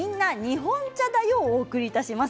日本茶だよ」をお送りいたします。